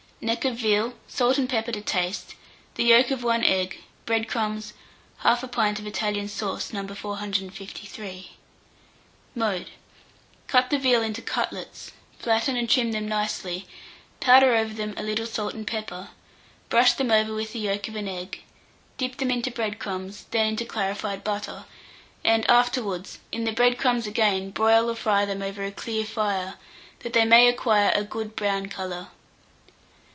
Neck of veal, salt and pepper to taste, the yolk of 1 egg, bread crumbs, 1/2 pint of Italian sauce No. 453. Mode. Cut the veal into cutlets, flatten and trim them nicely; powder over them a little salt and pepper; brush them over with the yolk of an egg, dip them into bread crumbs, then into clarified butter, and, afterwards, in the bread crumbs again; broil or fry them over a clear fire, that they may acquire a good brown colour.